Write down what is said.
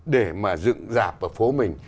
để mà dựng dạp ở phố mình